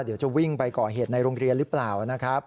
เดี๋ยวจะวิ่งไปก่อเหตุในโรงเรียนหรือเปล่านะครับ